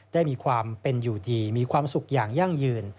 ได้มีความเป็นอยู่ดีมีความสุขอย่างยั่งยืน